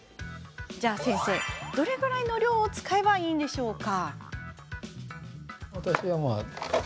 じゃあ先生、どれくらいの量を使えばいいんですか？